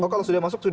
kalau sudah masuk